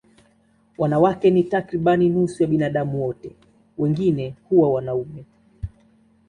Wanawake ni takriban nusu ya binadamu wote, wengine huwa wanaume.